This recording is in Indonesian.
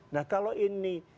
nah kalau ini